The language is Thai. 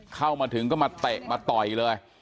เข้ามาถึงก็มาเตะมาต่อยเลย